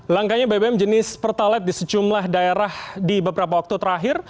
langkanya bbm jenis pertalite di sejumlah daerah di beberapa waktu terakhir